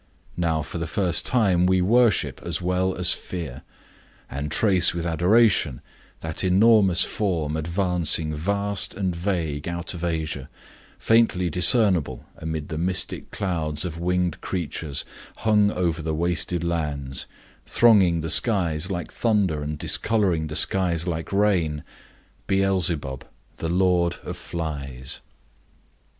Now for the first time we worship as well as fear; and trace with adoration that enormous form advancing vast and vague out of Asia, faintly discernible amid the mystic clouds of winged creatures hung over the wasted lands, thronging the skies like thunder and discoloring the skies like rain; Beelzebub, the Lord of Flies.